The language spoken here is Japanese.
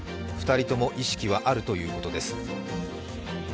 ２人とも意識はあるということです